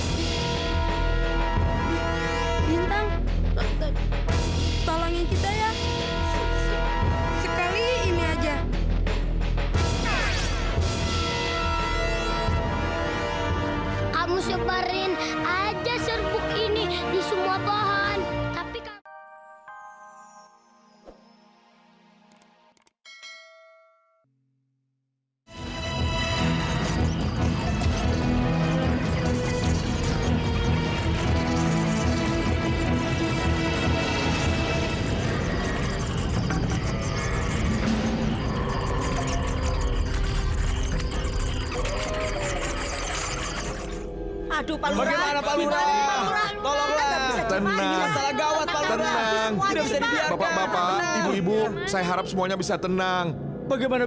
sampai jumpa di video selanjutnya